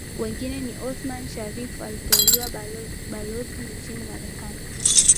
Wengine ni Othman Sharrif aliteuliwa Balozi nchini Marekani